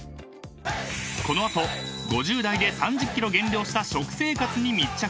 ［この後５０代で３０ｋｇ減量した食生活に密着］